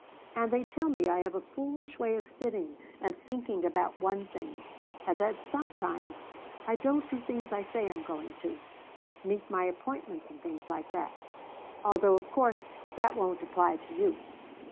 And they tell me I have a foolish way of sitting and thinking about one thing, and that sometimes I don't do things I say I am going to meet my appointments and things like that, although of course that won't apply to you.